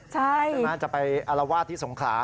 เท่านั้นจะไปอรวาทที่สงขา